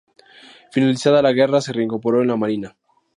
Finalizada la guerra, se reincorporó en la marina.